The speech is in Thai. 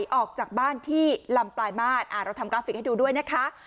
ออกจากบ้านที่ลำปลายมาตรเราทำกราฟิกให้ดูด้วยนะคะ